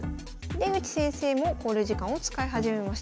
出口先生も考慮時間を使い始めました。